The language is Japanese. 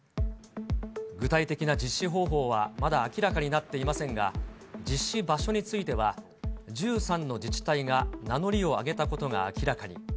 具体的な実施方法はまだ明らかになっていませんが、実施場所については、１３の自治体が名乗りを上げたことが明らかに。